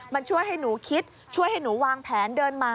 มันช่วยให้หนูคิดช่วยให้หนูวางแผนเดินมา